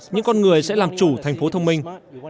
những con người sẽ làm chủ thành phố thông minh